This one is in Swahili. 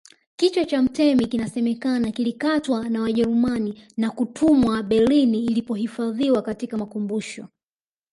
Kichwa cha mtemi kinasemekana kilikatwa na Wajerumani na kutumwa Berlin kilipohifadhiwa katika makumbusho